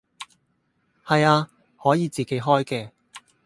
係啊，可以自己開嘅